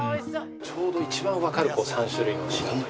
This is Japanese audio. ちょうど一番わかる３種類のお品。